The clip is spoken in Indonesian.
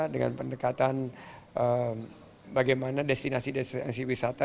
dengan pendekatan bagaimana destinasi destinasi wisata